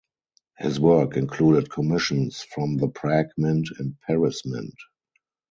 His work included commissions from the Prague Mint and Paris Mint.